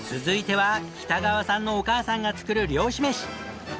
続いては北川さんのお母さんが作る漁師飯。